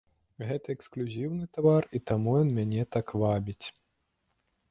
Гэта эксклюзіўны тавар, і таму ён мяне так вабіць.